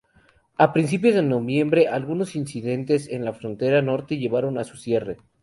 A principios de noviembre, algunos incidentes en la frontera norte llevaron a su cierre.